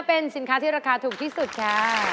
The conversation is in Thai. เป็นสินค้าที่ราคาถูกที่สุดค่ะ